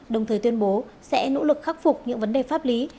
đồng thời tuyên bố sẽ nỗ lực khắc phục những vấn đề pháp lý